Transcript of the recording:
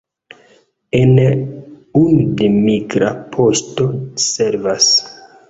En Und migra poŝto servas.